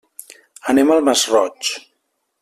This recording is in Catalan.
Anem al Masroig.